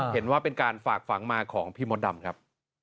เห็นว่าเป็นการฝากฝังมาของพี่มดดำครับ